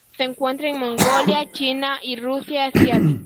Se encuentra en Mongolia, China y Rusia asiática.